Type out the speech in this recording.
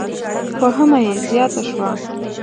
واهمه یې زیاته شوه.